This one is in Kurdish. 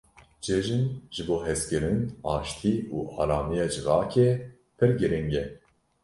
Cejin ji bo hezkirin, aştî û aramiya civakê pir giring e.